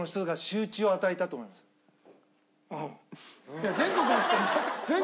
いや全国の人。